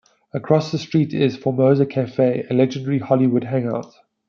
Across the street is the Formosa Cafe, a legendary Hollywood hangout.